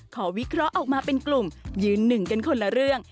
วิเคราะห์ออกมาเป็นกลุ่มยืนหนึ่งกันคนละเรื่อง